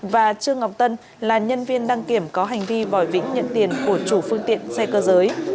và trương ngọc tân là nhân viên đăng kiểm có hành vi vòi vĩnh nhận tiền của chủ phương tiện xe cơ giới